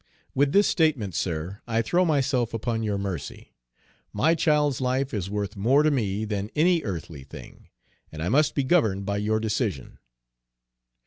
With this statement, sir, I throw myself upon your mercy. My child's life is worth more to me than any earthly thing, and I must be governed by your decision."